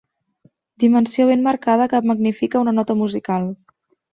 Dimensió ben marcada que magnifica una nota musical.